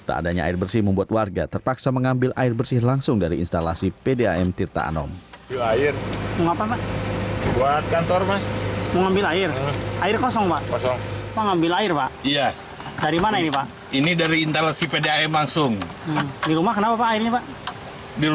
tak adanya air bersih membuat warga terpaksa mengambil air bersih langsung dari instalasi pdam tirta anom